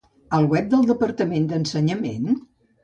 Al web del departament d'Ensenyament?